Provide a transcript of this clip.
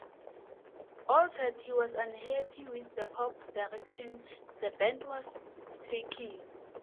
Hall said he was unhappy with "the pop direction the band was taking".